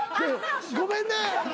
ごめんね。